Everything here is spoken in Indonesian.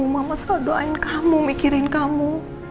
mama suka doain kamu mikirin kamu